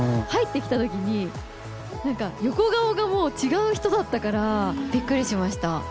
入ってきたときに横顔が違う人だったからびっくりしました。